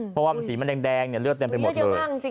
เพราะว่ามันสีมันแดงเลือดเต็มไปหมดเลย